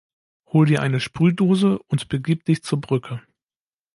Hol dir eine Sprühdose und begib dich zur Brücke.